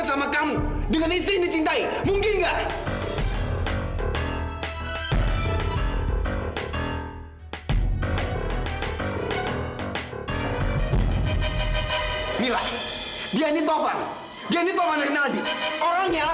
sama kak fadil dalam boxnya